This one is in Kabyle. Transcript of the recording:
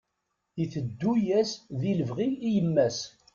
Iteddu-yas di lebɣi i yemma-s.